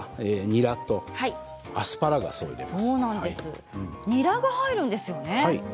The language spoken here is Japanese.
にらが入るんですね。